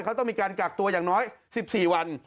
เขาต้องมีการกักตัวอย่างน้อย๑๔วัน